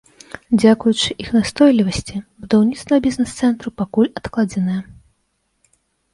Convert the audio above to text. Дзякуючы іх настойлівасці, будаўніцтва бізнэс-цэнтру пакуль адкладзенае.